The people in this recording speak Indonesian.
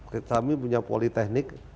kami punya politeknik